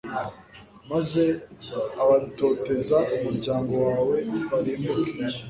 maze abatoteza umuryango wawe barimbuke